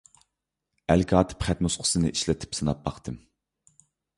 ئەلكاتىپ خەت نۇسخىسىنى ئىشلىتىپ سىناپ باقتىم.